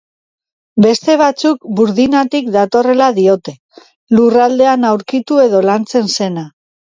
Beste batzuk burdinatik datorrela diote, lurraldean aurkitu edo lantzen zena.